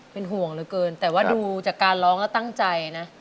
เป็นห่วงเหลือเกินแต่ว่าดูจากการร้องแล้วตั้งใจนะ